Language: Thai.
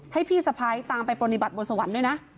ให้พี่สะพายตามไปปรณิบัติบนสะวันด้วยนะ